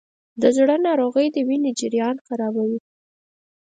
د زړه ناروغۍ د وینې جریان خرابوي.